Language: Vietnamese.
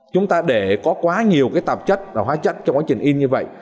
chúng ta để có quá nhiều cái tạp chất và hóa chất trong quá trình in như vậy